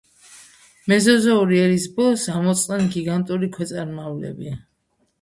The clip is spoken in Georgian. მეზოზოური ერის ბოლოს ამოწყდნენ გიგანტური ქვეწარმავლები.